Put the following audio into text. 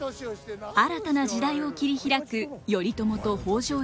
新たな時代を切り開く頼朝と北条一族。